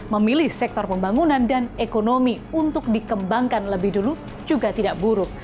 memilih sektor pembangunan dan ekonomi untuk dikembangkan lebih dulu juga tidak buruk